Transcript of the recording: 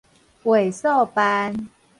畫素範